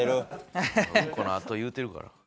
ウンコのあと言うてるから。